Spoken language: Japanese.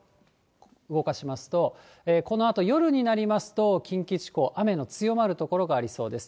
動かしますと、このあと、夜になりますと、近畿地方、雨の強まる所がありそうです。